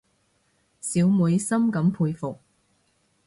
小妹深感佩服